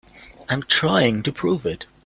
I'm trying to prove it.